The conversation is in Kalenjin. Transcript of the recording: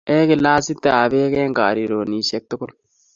Eei glasitab Bek eng karironisiek tugul